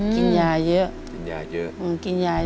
กินยาเยอะ